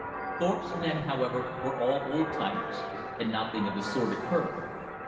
Thorpe's men, however, were all old timers, and nothing of the sort occurred.